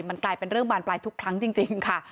มันกลายเป็นเรื่องบานปลายทุกครั้งจริงค่ะ